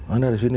anda di sini